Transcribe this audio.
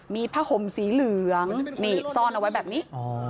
มีผ้าห่มสีเหลืองนี่ซ่อนเอาไว้แบบนี้